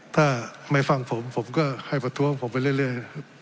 ถ้าไม่ฟังผมผมก็ให้ประท้วงผมไปเรื่อย